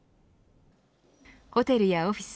ホテルやオフィス